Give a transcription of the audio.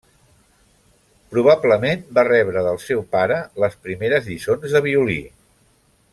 Probablement va rebre del seu pare les primeres lliçons de violí.